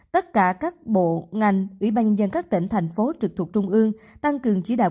tất cả các bộ ngành ủy ban nhân dân các tỉnh thành phố trực thuộc trung ương tăng cường chỉ đạo